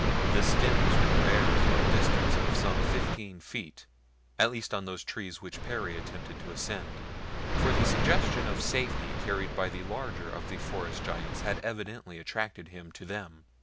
The stems were bare for a distance of some fifteen feet at least on those trees which Perry attempted to ascend, for the suggestion of safety carried by the larger of the forest giants had evidently attracted him to them.